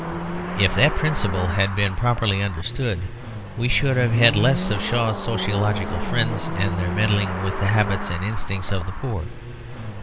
If that principle had been properly understood, we should have had less of Shaw's sociological friends and their meddling with the habits and instincts of the poor.